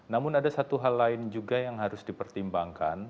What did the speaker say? namun ada satu hal lain juga yang harus dipertimbangkan